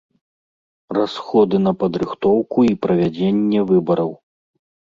Расходы на падрыхтоўку і правядзенне выбараў.